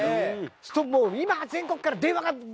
そうすると今全国から電話が。